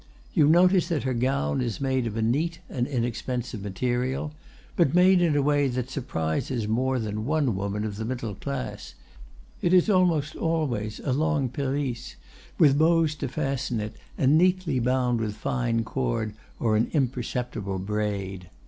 You notice that her gown is made of a neat and inexpensive material, but made in a way that surprises more than one woman of the middle class; it is almost always a long pelisse, with bows to fasten it, and neatly bound with fine cord or an imperceptible braid.